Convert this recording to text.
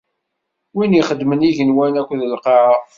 Win ixedmen igenwan akked lqaɛa!